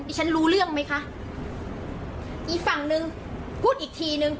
ฉันรู้เรื่องไหมคะอีกฝั่งนึงพูดอีกทีนึง